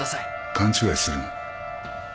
勘違いするな。